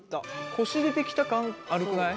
コシ出てきた感あるくない？